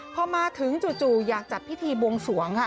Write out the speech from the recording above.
พอมาถึงจู่อยากจัดพิธีบวงสวงค่ะ